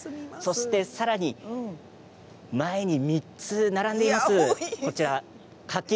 そして、さらに前に３つ並んでいます。